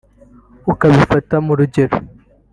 ukabifata mu rugero